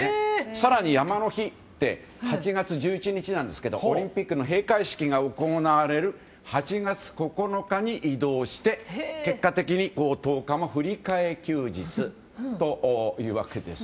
更に山の日って８月１１日なんですけどオリンピックの閉会式が行われる８月９日に移動して結果的に９日の振り替え休日というわけです。